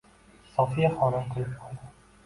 Sofiya xonim kulib qo`ydi